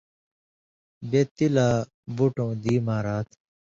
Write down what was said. بے تی لا، بٹؤں دی مارا تھہ،